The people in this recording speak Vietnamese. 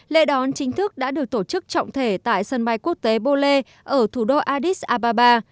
lễ đón chính thức đã được tổ chức trọng thể tại sân bay quốc tế bole ở thủ đô addis ababa